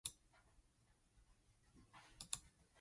Camp Upton later housed a convalescent and rehabilitation hospital.